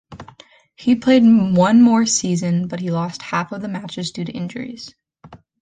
He played one more season but he lost half of the matches due to injuries.